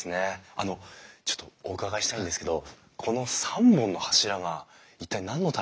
あのちょっとお伺いしたいんですけどこの３本の柱が一体何のためにあるかってご存じですか？